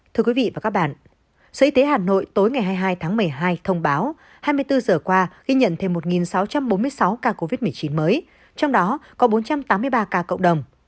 thưa quý vị và các bạn sở y tế hà nội tối ngày hai mươi hai tháng một mươi hai thông báo hai mươi bốn giờ qua ghi nhận thêm một sáu trăm bốn mươi sáu ca covid một mươi chín mới trong đó có bốn trăm tám mươi ba ca cộng đồng